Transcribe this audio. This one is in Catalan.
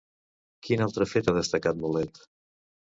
Quin altre fet ha destacat Mulet?